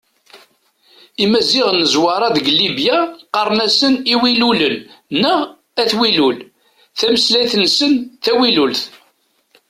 Imaziɣen n Zwaṛa deg Libya qqaren-asen Iwilulen neɣ At Wilul, tameslayt-nsen d tawilult.